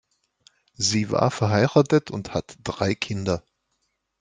Sie war verheiratet und hat drei Kinder.